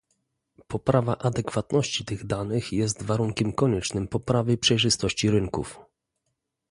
Poprawa adekwatności tych danych jest warunkiem koniecznym poprawy przejrzystości rynków